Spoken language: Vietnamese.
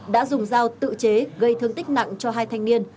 đã dùng dao tự chế gây thương tích nặng cho hai thanh niên